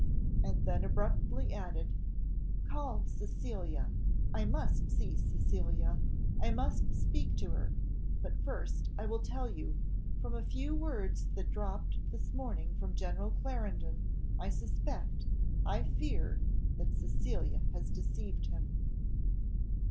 And then abruptly added, "Call Cecilia! I must see Cecilia, I must speak to her. But first I will tell you, from a few words that dropped this morning from General Clarendon, I suspect I fear that Cecilia has deceived him!"